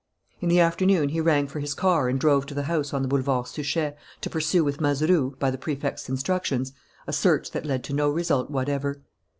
In the afternoon he rang for his car and drove to the house on the Boulevard Suchet, to pursue with Mazeroux, by the Prefect's instructions, a search that led to no result whatever.